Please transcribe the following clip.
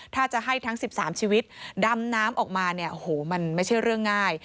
ถ้าจะให้ทั้ง๑๓ชีวิตดำน้ำออกมาเนี่ยโอ้โหมันไม่ใช่เรื่องง่าย